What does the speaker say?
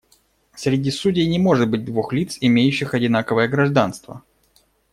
Среди судей не может быть двух лиц, имеющих одинаковое гражданство.